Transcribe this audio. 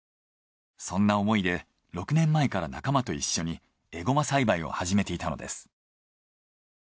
そんな思いで６年前から仲間と一緒にえごま栽培を始めていたのです。